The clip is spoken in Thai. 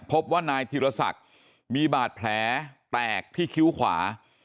พบว่านายธีรศักดิ์มีบาดแผลแตกที่คิ้วขวา